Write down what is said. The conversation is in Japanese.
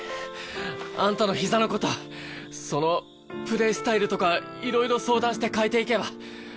あんたの膝の事そのプレースタイルとかいろいろ相談して変えていけば。